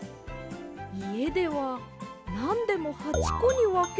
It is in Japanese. いえではなんでも８こにわけるので。